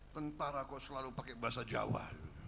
tentara kok selalu pakai bahasa jawa